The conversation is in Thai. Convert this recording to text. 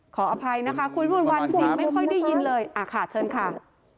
ขออภัยนะคะคุณวิมวลวันเสียงไม่ค่อยได้ยินเลยค่ะเชิญค่ะ